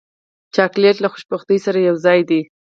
چاکلېټ له خوشبختۍ سره یوځای دی.